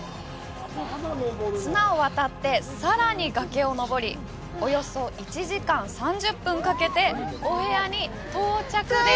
綱を渡って、さらに崖を登りおよそ１時間３０分かけてお部屋に到着です。